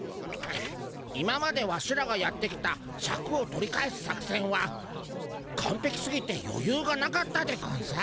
今までワシらがやってきたシャクを取り返す作せんはかんぺきすぎてよゆうがなかったでゴンス。